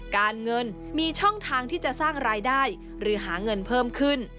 การเงินมีช่องทางที่จะสร้างรายได้หรือหาเงินเพิ่มขึ้น